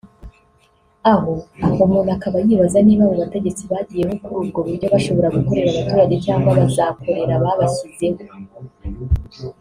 aho umuntu akaba yibaza niba abo bategetsi bagiyeho kuri ubwo buryo bashobora gukorera abaturage cyangwa bazakorera ababashyizeho